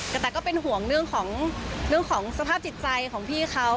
แต่แต่ก็เป็นห่วงเรื่องของสภาพจิตใจของพี่เขา